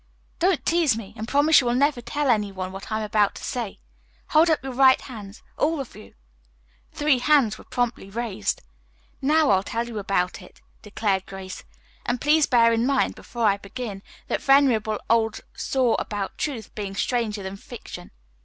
"Don't tease me, and promise you will never tell any one what I'm about to say. Hold up your right hands, all of you." Three right hands were promptly raised. "Now, I'll tell you about it," declared Grace, "and please bear in mind, before I begin, that venerable old saw about truth being stranger than fiction."